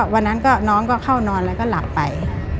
วันนั้นน้องก็เข้านอนแล้วก็หลับไป